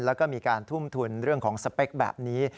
แล้วก็มีการทุ่มทุนเรื่องของสเปคแบบนี้